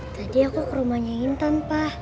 tadi aku ke rumahnya ingin tanpa